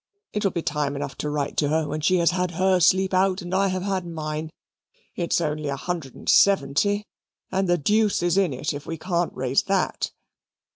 It will be time enough to write to her when she has had her sleep out, and I have had mine. It's only a hundred and seventy, and the deuce is in it if we can't raise that."